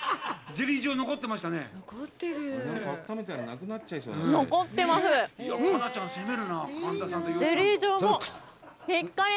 ゼリー状、残ってましたね。